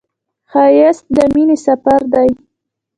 ښایست د مینې سفر دی